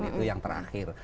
itu yang terakhir